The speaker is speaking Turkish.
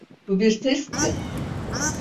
Bu bir test mi?